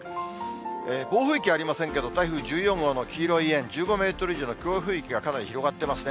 暴風域ありませんけども、台風１４号の黄色い円、１５メートル以上の強風域がかなり広がってますね。